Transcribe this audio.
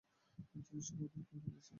জিনিসটা ওদেরকে খেয়ে ফেলেছে, এম।